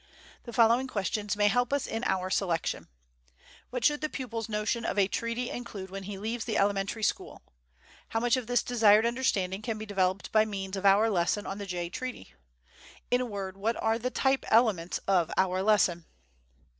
The following questions may help us in our selection: What should the pupil's notion of a treaty include when he leaves the elementary school? How much of this desired understanding can be developed by means of our lesson on the Jay Treaty? In a word, what are the type elements of our lesson?